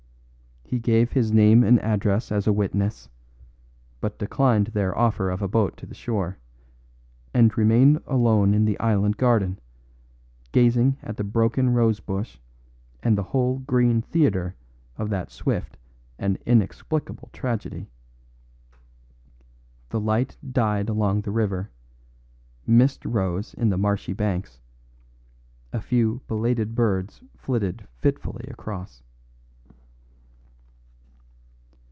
He gave his name and address as a witness, but declined their offer of a boat to the shore, and remained alone in the island garden, gazing at the broken rose bush and the whole green theatre of that swift and inexplicable tragedy. The light died along the river; mist rose in the marshy banks; a few belated birds flitted fitfully across.